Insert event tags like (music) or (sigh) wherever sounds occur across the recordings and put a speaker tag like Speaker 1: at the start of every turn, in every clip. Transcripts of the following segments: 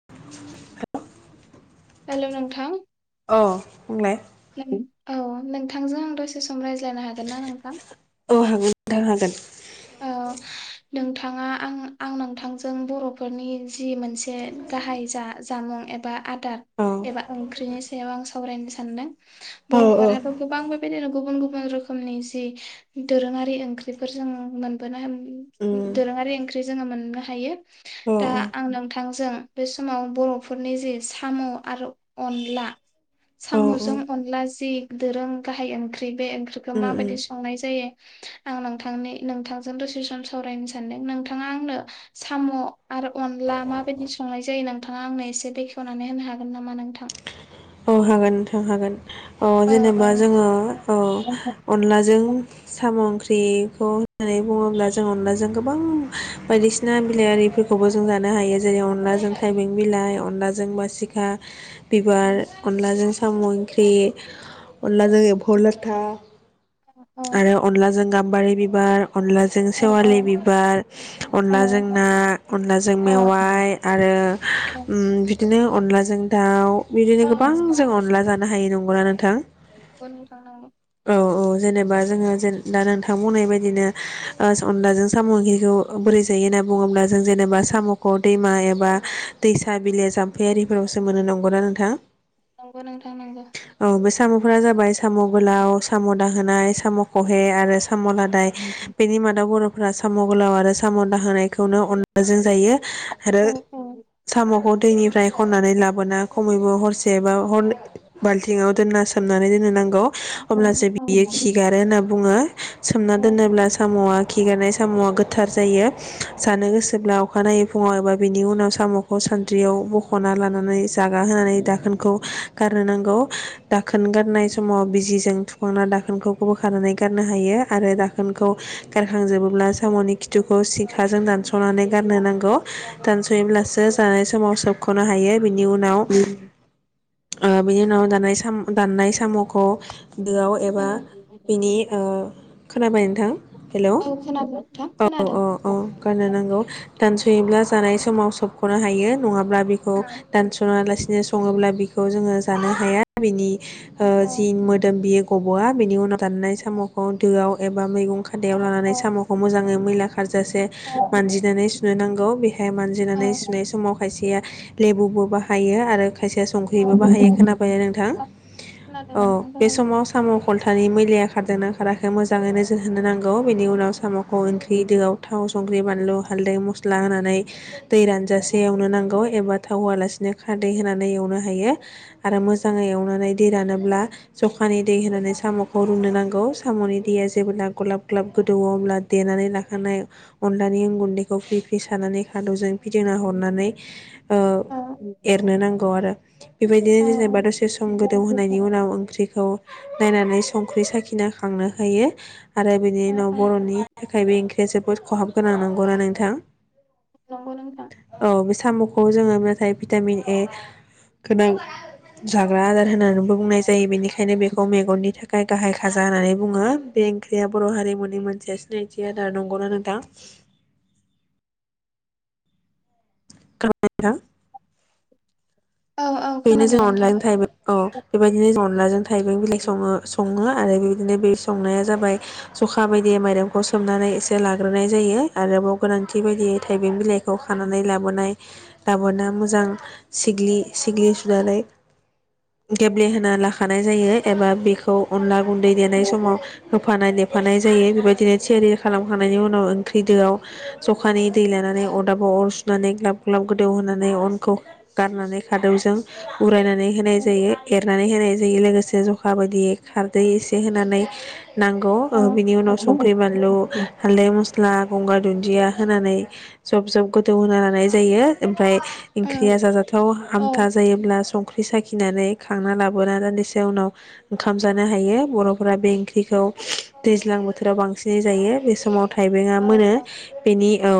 Speaker 1: (unintelligible)
Speaker 2: हेल नोंथां।
Speaker 1: अ बुंलाय।
Speaker 2: नों औ नोंथांजों आं दसे सम रायज्लायनो हागोन ना नोंथां?
Speaker 1: औ हागोन नोंथां हागोन।
Speaker 2: अ नोंथांङा आं आं नोंथांजों बरफोरनि जि मोनसे गाहाय जा जामुं एबा आदार एबा
Speaker 1: औ
Speaker 2: ओंख्रिनि सायाव आं सावरायनो सानदों
Speaker 1: औ औ
Speaker 2: बरफोरहाथ गोबां बेबायदिनो गुबुन गुबुन रोखोमनि जि दोरोङारि ओंख्रिफोरजों। मोनबोनो होन
Speaker 1: उम
Speaker 2: दोरोङारि ओंख्रि जोंङो मोननो हायो।
Speaker 1: औ
Speaker 2: दा आं नोंथा। थां जों बे समाव बरफोरनि जि सामु आरो अनला।
Speaker 1: औ
Speaker 2: सामुजों
Speaker 1: उम
Speaker 2: अनला जि दोरों गाहाय ओंख्रि ख्रि बे ओंख्रिखो
Speaker 1: उम
Speaker 2: माबायदि संनाय जायो। आं नोंथांनि। नोंथांजों दसे सम सावरायनो सानदों नोंथाङा आंनो सामु आरो अनला माबायदि संनाय जायो नोंथाङा आंनो एसे बेखेवनानै होनो हागोन नामा नोंथां।
Speaker 1: औ हागोन नोंथां हागोन। अ
Speaker 2: ओ ओ
Speaker 1: जेनेबा जोंङो अ अनलाजों। सामु ओंख्रिखौ होननानै बुंङोब्ला जों अनलाजों गोबां बायदिसिना बिलाइारिफोरखौबो जों जानो हायो जेरै अनलाजों थाइबें बिलाइ अनलाजों बासिखा। बिबार अनलाजों सामु ओंख्रि अनदलाजों एम्फौ लाथा। आरो अनलाजों गा बारि बिबार। अनलाजों
Speaker 2: अ
Speaker 1: सेवालि बिबार अनलाजों ना अनलाजों
Speaker 2: अ
Speaker 1: मेवाइ आरो उम बिदिनो। अनलाजों दाउ बिदिनो। गोबां
Speaker 2: नंगौ
Speaker 1: जों अनला जा हायो नोंगौना नोंथां। औ औ
Speaker 2: (unintelligible)
Speaker 1: जेनेबा जोंङो जेन दा नोंथां बुंनाय बायदिनो ओ अनलाजों सामु ओंख्रिखौ बोरै जायो होनना बुङोब्ला जों जेनेबा सामुखौ दैमा एबा दैसा बिलो जाम्फैआरिफोरावसो मोननो नोंगौ ना नोंथां?
Speaker 2: नोंगौ नोंथां नोंगौ।
Speaker 1: औ बे साम'फोरा जाबाय साम' गोलाव, साम' दाहोनाय, साम' खहे आरो साम' लादाय बेनि मादाव बर' साम' गोलाव आरो साम' दाहोनायखौनो अनलाजों जायो आरो
Speaker 2: औ औ
Speaker 1: साम'खौ दैनिफ्राय खननानै लाबोना खमैबो हरसे एबा ह बाल्थिंआव दोनना सोमनानै दोननो नांगौ। अब्लासो बियो खिगारो होनना बुङो। सोमना दोनोब्ला साम'आ खिगारनाय साम'आ गोथ थार जायो। जानो गोसोब्ला अखानायै फुङाव एबा बिनि उनाव साम'खौ सानद्रियाव बख'ना लानानै जागा होनानै दाखोन खौ गारनो नांगौ दाखोन गारनाय समाव बिजिजों थुखांना दाखोनखौ बोखानानै गारनो हायो। आरो दाखोनखौ गारखांजोबोब्ला साम'नि खिथुखौ सिखाजों दानस'नानै गारनो नांगौ। दानस'योब्लासो जानाय समाव सब ख'नो हायो बिनि उनाव बिनि उनाव दानाय स दान्नाय साम'खौ दोआव एबा बिनि ओ खोनाबाय नोंथां? हेलौ
Speaker 2: औ खोनादों नोंथां
Speaker 1: औ औ औ
Speaker 2: खोनादों।
Speaker 1: गारनो नांगौ। दानस'योब्ला जानाय समाव सबख'नो हायो नङाब्ला दा बेखौ
Speaker 2: खोनादों
Speaker 1: दानस'आ लासिनो सङोब्ला बि खौ जोङो जानो हाया बिनि जि मोदोम बियो गब बिनि उनाव दाननाय साम'खौ दोआव एबा मैगं खादायाव लानानै साम'खौ मोजाङै मैला खारजासे मानजिनानै सुनो नांगौ। बेहाय मानजिनानै सुनाय समाव खायसेया लेबुबो बाहायो आरो खायसेया सम हिबो बाहायो खोनाबायना नोंथां? औ
Speaker 2: नोंथां
Speaker 1: बे
Speaker 2: खोनादों
Speaker 1: समाव साम' खलथानि बिलाया खारदोंना खाराखै मोजाङैनो नोजोर होनो नांगौ बेनि उनाव साम'खौ ओंख्रि दोआव थाव, संख्रि, बानलु हाल्दै, मस्ला होनानै दै रानजासे एवनो नांगौ एबा थाव होआलासिनो खारादै होनानै एवनो नो हायो आरो मोजाङै एवनानै दै रानोब्ला जखानि दै होनानै साम'खौ रुनो नांगौ। साम'नि दैया जेब्ला ग्लाब ग्लाब गोदौवो अब्ला देनानै लाखानाय अनलानि उन गुन्दैखौ फ्रि फ्रि सानानै खादौजों फिदिंना हरनानै ओ
Speaker 2: औ
Speaker 1: एरनो नांगौ आरो। बेबायदिनो
Speaker 2: औ
Speaker 1: जेनेबा दसे सम गोदौ होनायनि उनाव ओंख्रिखौ नायनानै संख्रि साखिना खांनो हायो। आरो बेनि
Speaker 2: औ
Speaker 1: उनाव
Speaker 2: औ
Speaker 1: बर'नि थाखायबो जोबोर खहाबगोनां नंगौना नोंथां
Speaker 2: नंगौ नोंथां
Speaker 1: औ बे साम'खौ जोङो नाथाय भिटामिन ए गोनां जाग्रा आदार होननानैबो बुंनाय जायो बेनिखायनो बेखौ मेगननि थाखाय गाहाय खाजा होननानै बुङो बे ओंख्रिया बर' हारिमुनि मोनसे सिनायथि आदार नंगौना नोंथां? (unintelligible)
Speaker 2: औ औ
Speaker 1: बेनो
Speaker 2: खोनादों
Speaker 1: जों
Speaker 2: नोंथां
Speaker 1: अनलाजों थाइबें औ बेबायदिनो जों अनलाजों थाइबें बिलाइ सङो सङो आरो बेबायदिनो बे संनाया जाबाय जखा बायदियै माइरंखौ सोमनानै एसे लाग्रोनाय जायो आरोबाव गोनांथि बायदियै थाइबें बिलाइखौ खानानै लाबोनाय लाबोना मोजां सिग्लि सिग्लि सुनानै गेब्लेहोना लाखानाय जायो एबा बेखौ अनला गुन्दै
Speaker 2: औ
Speaker 1: देनाय समाव
Speaker 2: औ खोनादों नोंथां खोनादों
Speaker 1: होफानाय दे होफानाय जायो बेबायदिनो थियारि खालामखांनायनि उनाव ओंख्रि दोआव जखानि दै लानानै अदाबाव अर सुनानै गलाब ग्लाब गोदौ होनानै अनखौ गारनानै खादौजों उरायनानै होनाय जायो एरनानै होनाय जायो लोगोसे जखा बायदियै खारदै एसे होनानै नांगौ ओ बिनि उनाव संख्रि बानलु हाल्दै मस्ला गंगार दुन्दिया होनानै जब जब गोथौ होना लानाय जायो फ्राय ओंख्रिया जाजाथाव
Speaker 2: औ खोनादों नोंथां ओ खोनादों नोंथां
Speaker 1: आमथा जायोब्ला संख्रि साखिनानै खांना लाबोना दान्दिसे उनाव ओंखाम जानो हायो बर'फोरा बे ओंख्रिखौ दैज्लां बोथोराव बांसिनै जायो बे समाव थाइबेंआ मोनो बेनि औ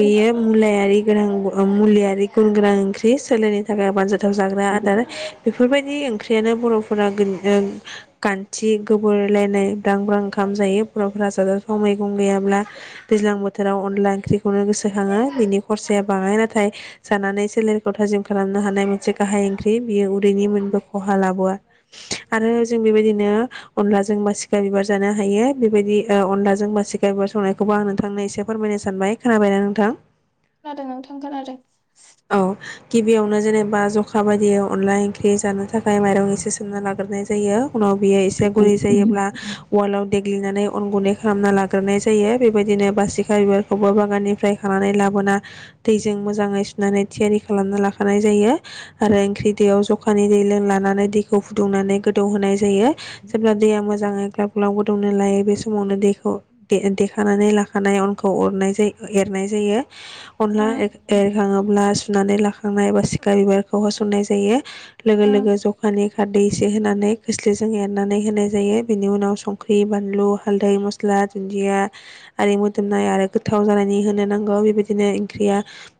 Speaker 1: बेयो मुलायारि गोनां मुलियारि गुन गोनां ओंख्रि सोलायनाय (unintelligible) गोथावजाग्रा आदार बेफोरबायदि ओंख्रियानो बर'फोरा खान्थि गोबोरलायनाय ब्रां ब्रां ओंखाम जायो बर'फोरा जाजाथाव मैगं गैयाब्ला दैज्लां बोथोराव अनला ओंख्रिखौनो गोसोखाङो बिनि खरसाया बाङाय नाथाय जानानै सोलेरखौ थाजिम खालामनो हानाय मोनसे गाहाय ओंख्रि बेयो उन्दैनिमोनबो खहा लाबोआ आरो जों बेबायदिनो अनला जों मा सिखा बिबार जानो हायो बेबायदि अनलााजजों मासि बिबार संनाय खौबो आं नोंथांनो एसे फोरमायनो सानबाय खोनाबायना नोंथां?
Speaker 2: खोनादों नोंथां खोनादों
Speaker 1: औ गिबियावनो जेनेबा जखा बायदि अनला ओंख्रि जानो थाखाय माइरं एसे सोमना लाग्रोनाय जायो उनाव बियो एसे गुरै जायोब्ला उवालआव देग्लिनानै अन गुन्दै खालामना लाग्रोनाय जायो बेबायदिनो बासिखा बिबारखौबो बागाननिफ्राय खानानै लाबोना दैजों मोजाङै नानै थियारि खालामना लाखानाय जायो आरो ओंख्रि दैयाव जखानि दै लोंलानानै दैखौ फुदुंनानै गोदौहोनाय जायो जेब्ला दैया मोजाङै ग्लब ग्लाब गोदौनो लायो बे समावनो दैखौ देखानानै लाखानाय अनखौ अनाय जायो एरनाय जायो अनला एख एख ङोब्ला सुनानै लाखांनाय एबा सिखा बिबारखौ सोसन्नाय जायो। लोगो लोगो जखानि खादै एसे होनानै खोस्लिजों एरनानै होनाय जायो बेनि उनाव संख्रि बानलु हालदै मस्ला दुन्दिया आरि मोदोमनाय आरो गोथाव जानायनि होनो नांगौ बेबायदिनो ओंख्रिया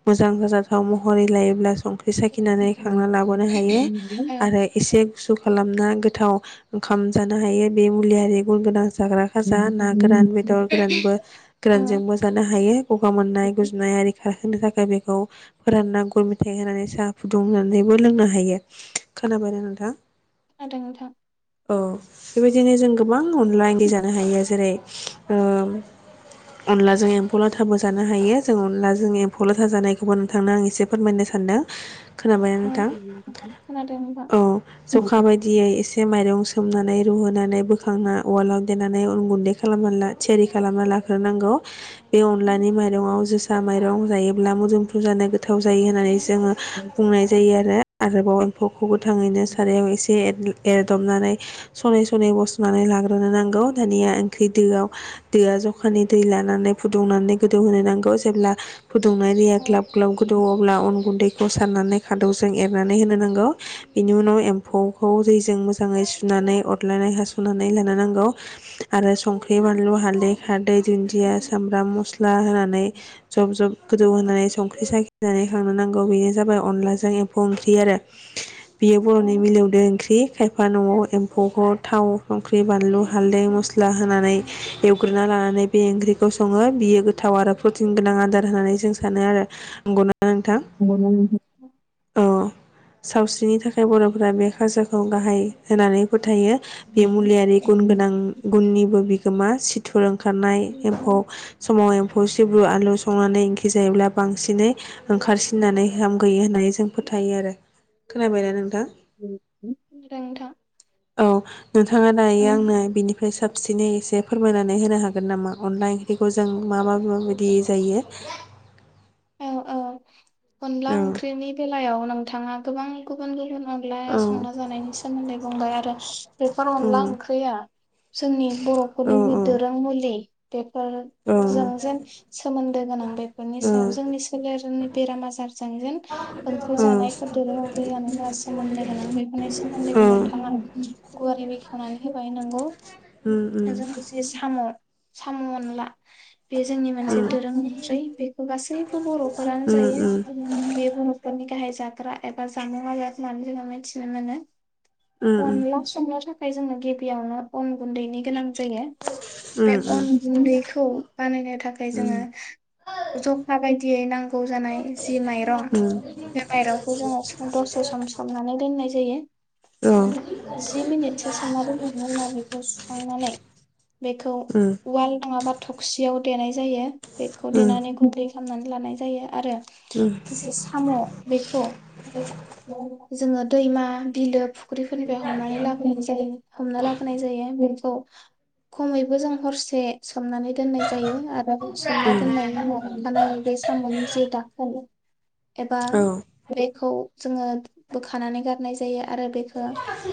Speaker 1: मोजां गोजाथाव महरै लायोब्ला सं फैसाखिनानै खांना लाबोनो हायो आरो एसे गुसु खालामना गोथाव ओंखाम जानो हायो बे मुलियारि गुन गोनां जाग्रा खाजा ना गोरान बेदर गोरानबो गोरानजोंबो जानो हायो गगा मोननाय गुजुनाय आरि (unintelligible) बेखौ फोरानना गुर मेथाइ होनानै साहा फुदुं होननानैबो लोंनो हायो खोनाबाय नोंथां
Speaker 2: खोनादों नोंथां
Speaker 1: औ बेबायदिनो जों गोबां अनला इंदि जानो हायो जेरै अनलाजों एम्फ लाथाबो जानो हायो जों अनलाजों एम फल'थाजानायखौबो नोंथांनो आं एसे फोरमायनो सानदों खोनाबायना नोंथां औ जखा बायदियै एसे माइरं सोमनानै रुहोनानै बोखांना उालाव देनानै उन गुन्दै खालामना ला थियारि खालामना लाग्रोनांगौ बे अनलानि माइरंआव जोसा माइ (unintelligible) जायोब्ला मोदोमफोरु जानो गोथाव जायो होननानै जोङो बुंनाय जायो आ रो आरोबाव एफखौ गोथाङैनो सारायाव एसे एरदबनानै सनै सनै बस'नानै लाग्रोनो नांगौ दानिया ओंख्रि दोआव दोआ जखानि दै लानानै फुदुंनानै गोदौहोनो नांगौ जेब्ला फोदुंनाय रिया ग्लाब ग्लाब गोदौ अब्ला अन गुन्दैखौ खौ सारनानै खादौजों एरनानै होनो नांगौ बिनि उनाव एम्फौखौ दैजों मोजाङै सुनानै अरलायनानै हास'नानै लानो नांगौ आरो संख्रि बानलु हालदै खारदै दुन्दिया सामब्राम मस्ला होनानै जब जब गोदौ होनानै संख्रि साखिनानै खांनो नांगौ बेनो जाबाय अनलाजों एम्फौ ओंख्रि आरो बियो बर'नि मिलौदों ओंख्रि खायफा न'आव एम्फौखौ थाव संख्रि बानलु हाल्दै मस्ला ला होनानै इउक्र लानानै बे ओंख्रिखौ सङो बियो गोथाव आरो प्रटिन गोनां आदार होनानै सानो आरो नोंथां
Speaker 2: (unintelligible)
Speaker 1: औ सावस्रिनि थाखाय बर'फोरा बे खाजाखौ गाहाय होनानै थायो बे मुलिआलि
Speaker 2: उम
Speaker 1: गोनां गुनिबो गोमा सिथुरों खारनाय एम्फौ समाव एम्फौ सि (unintelligible) आलु संनानै (unintelligible) दि जायोब्ला बांसिनै ओंखारसिननानै हामगैयो होननानै जों फोथायो आरो खोनाबायना नोंथां।
Speaker 2: (unintelligible)
Speaker 1: औ। नोंथाङा दायो आंनो बिनिफ्राय साब साबसिनै एसे फोरमायनानै होनो हागोन नामा अनला ओंख्रिखौ जों मा मा माबायदि जायो।
Speaker 2: औ औ। अनला
Speaker 1: औ
Speaker 2: ओंख्रिनि बेलायाव नोंथाङा गोबां गुबुन गुबुन अनदला
Speaker 1: औ
Speaker 2: संना जानायनि सोमोन्दै (unintelligible) बेफोर अनला
Speaker 1: उम
Speaker 2: ओंख्रिया जोंनि
Speaker 1: औ
Speaker 2: बर'फोरनि बे दोरों मुलि फोर
Speaker 1: औ
Speaker 2: जों जेन सोमोन्दो गोनां बेफोरनि
Speaker 1: औ
Speaker 2: जोंनि सोलेरनि बेराम आजारजों जेन ओंख्रि
Speaker 1: औ
Speaker 2: जानायफोर दोरों ओंख्रि जानायफोरा सोमोन्दो गोनां बेफोरनि
Speaker 1: उम
Speaker 2: सोमोन्दोथां गुवारै बे वनानै होबाय नंगौ।
Speaker 1: उम
Speaker 2: जों जे साम' सान अनला बे जोंनि मोनसे
Speaker 1: उम
Speaker 2: दोरों ओंख्रि बे गासैबो बर'फोरानो
Speaker 1: उम
Speaker 2: जायो बे बर'फोर नि गाहाय जाग्रा एबा जामुं आजाद मनानै ज मिथिनो मोनो।
Speaker 1: उम
Speaker 2: (unintelligible) ओमफ्राय जों गबियावनो अन गुन्दैनि गोनां जायो
Speaker 1: उम औ उम
Speaker 2: बे
Speaker 1: उम औ उम औ
Speaker 2: अन गुन्दैखौ बानायनो
Speaker 1: औ
Speaker 2: थाखाय जोङो (unintelligible) नांगौ जानाय जि माइरं बे माइरं खौ जों दसे सम सोमनानै दोननाय जायो आरो जि मिनिटसो सोमना दोन खांनायनि उनाव बेखौ उवाल नङाब्ला थौसियाव देनाय जायो बेखौ देनानै गुनदै खालामनानै लानाय जायो आरो। साम' बेखौ जोङो दैमा बिलो फु फुख्रिफोरनिफ्राय हमनानै लाोनाय जायो हमना लाबोनाय जायो बेखौ खमैबो जों हरसे सोमनानै दोननाय जायो आरो सोमना दोननायनि उनाव नाय बे साम'नि जे दाखं एबा बेखौ जोङो बोखानानै गारनाय जायो। आरो बेखो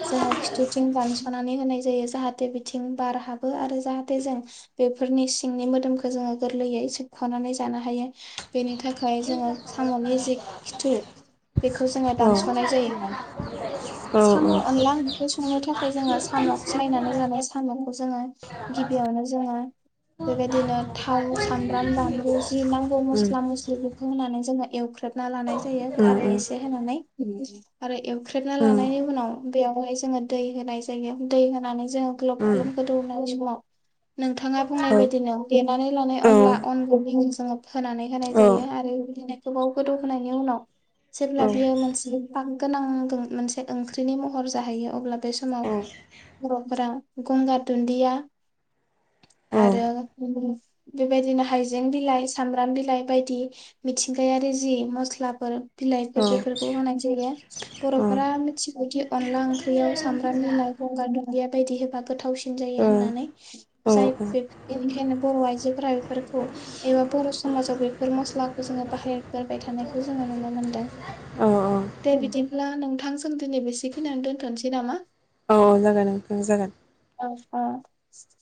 Speaker 2: जोङो खिथुथिं दानस'नानै होनाय ज जायो जाहाथे बिथिं बार हाबो आरो जाहाथे जों बेफोरनि सिंनि मोदोमखो जोङो गोरलैयै सोबख'नानै ज जानो हायो बेनि थाख खाय जोङो साम'नि जि खिथु बेखौ जोङो दानस'नाय जायोमोन साम' अनला ओंख्रि संनो थाखाय जोङो साम' सिनायनानै लानाय साम' खौ जोङो गिबियावनो जोङो बेबायदिनो थाव, सामब्राम, बानलु ज जिरनांगौ मस्ला मस्लि बेखौ होनानै जोङो इउख्रोप ना लानाय जायो खारै एसे होनानै उम उम आरो एव खोबना लानायनि उनाव बेयाव बेखौहाय जोङो दै होनाय जायो दै होनानै ज जोङो ग्लब ग्लब गोदौनाय समाव नोंथाङा बुंनाय बायदिनो देनानै लानाय अनला अन गुन्दैनिस होनानै होनाय जायो आरो बिदिनो गोबाव गोदौ होनायनि उनाव जेब्ला बियो मोनसिगोन पाक गोनांदों मोनसे ओंख्रिनि महर जाहैयो अब्ला बे समाव
Speaker 1: औ
Speaker 2: बर'फोरा गंगार दुदिया
Speaker 1: औ औ
Speaker 2: आरो बेनोस बेबायदिनो हाइजें बिलाइ स सामब्राम बिलाइ बायदि मिथिंगायारि जि मस्लाफोर
Speaker 1: औ
Speaker 2: बिलाइफोर
Speaker 1: औ
Speaker 2: बेफोरखौ होनाय जायो
Speaker 1: औ
Speaker 2: बर'फोरा मिथिबाऔदि अनदला ओंख्रियाव स सामब्राम बिलाइ, गंगार दुन्दिया बायदि होबा गोथावसिन जायो होननानै
Speaker 1: औ
Speaker 2: जाय बेख बेनिखायनो बर' आइजोफोरा बेफोरखौ एबा बर' समाजाव बेफोर मस्लाखौ जोङो बाहेरफेरबाय थानायखौ जोङो नुनो मोनदों
Speaker 1: औ
Speaker 2: दे बिदिब्ला नोंथां जों दिनै बेसेखिनियानो दोन्थ'नोसै नामा?
Speaker 1: अ जागोन नोंथां जागोन।
Speaker 2: स (unintelligible)